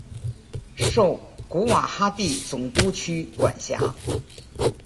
受古瓦哈蒂总教区管辖。